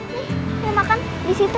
nih mau makan di situ